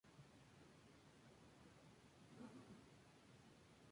La fauna de la reserva es variada y abundante.